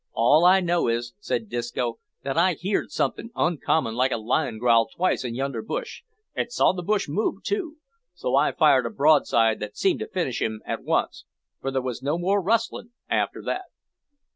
"All I know is," said Disco, "that I heerd somethin' uncommon like a lion growl twice in yonder bush, an' saw the bush move too, so I fired a broadside that seemed to finish him at once, for there was no more rustlin' after that."